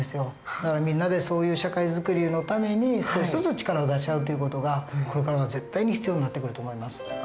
だからみんなでそういう社会作りのために少しずつ力を出し合うという事がこれからは絶対に必要になってくると思います。